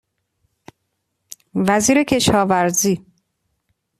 وزیر کشاورزی